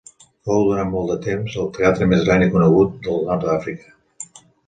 Fou, durant molt de temps, el teatre més gran i més conegut del nord d'Àfrica.